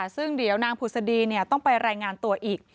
ซึ่งเดี๋ยวนางผุศดีต้องไปรายงานตัวอีก